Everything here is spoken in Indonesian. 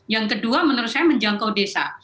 yang kedua menurut saya menjangkau desa